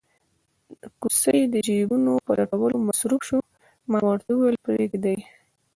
د کوسۍ د جېبونو په لټولو مصروف شو، ما ورته وویل: پرېږده یې.